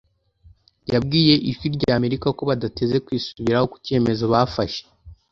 yabwiye Ijwi rya Amerika ko badateze kwisubiraho ku cyemezo bafashe